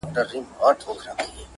دا تغير د ناروغ سنتيز اصلاح وه